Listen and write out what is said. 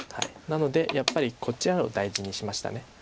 なのでやっぱりこっち側を大事にしました。